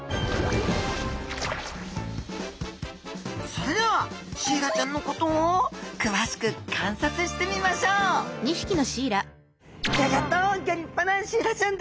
それではシイラちゃんのことを詳しく観察してみましょうギョ立派なシイラちゃんです。